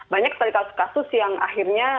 banyak sekali kasus kasus yang akhirnya